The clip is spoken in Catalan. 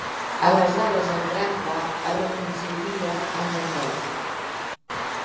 Aleshores en Grampa es reconcilia amb en Homer.